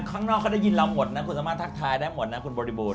ข้างนอกเขาได้ยินเราหมดนะคุณสามารถทักทายได้หมดนะคุณบริบูรณ